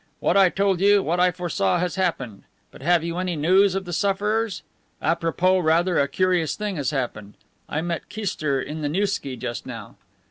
What I told you, what I foresaw, has happened. But have you any news of the sufferers? Apropos, rather a curious thing has happened. I met Kister on the Nevsky just now."